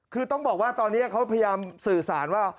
คือต้องบอกว่าตอนนี้เขาพยายามสื่อสารว่า